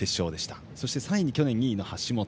そして３位に去年２位の橋本。